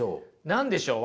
何でしょう？